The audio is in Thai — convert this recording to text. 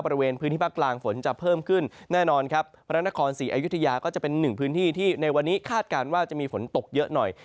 บริเวณพื้นที่ภาคกลางฝนจะเพิ่มขึ้นแน่นอนครับพระนครศรีอยุธยาก็จะเป็นหนึ่งพื้นที่ที่ในวันนี้คาดการณ์ว่าจะมีฝนตกเยอะหน่อย